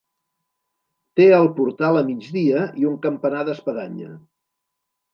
Té el portal a migdia i un campanar d'espadanya.